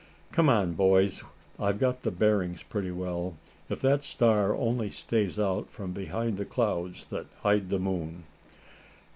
"Come on, boys, I've got the bearings pretty well, if that star only stays out from behind the clouds that hide the moon."